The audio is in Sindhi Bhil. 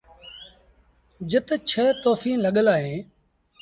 جت ڇه توڦيٚن لڳل اهيݩ۔